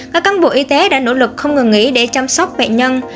các cán bộ y tế đã nỗ lực không ngừng nghỉ để chăm sóc bệnh nhân